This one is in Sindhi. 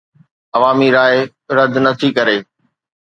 عوامي راءِ رد نه ٿي ڪري